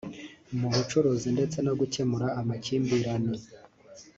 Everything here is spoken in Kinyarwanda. mu bucuruzi ndetse no gukemura amakimbirane